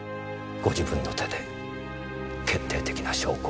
ご自分の手で決定的な証拠を。